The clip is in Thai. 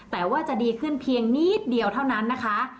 แต่ว่าจะดีขึ้นเพียงนิดเดียวเท่านั้นนะคะ